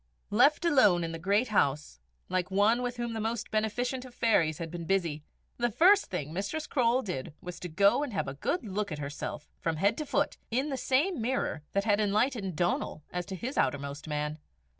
Left alone in the great house like one with whom the most beneficent of fairies had been busy, the first thing Mistress Croale did was to go and have a good look at herself from head to foot in the same mirror that had enlightened Donal as to his outermost man.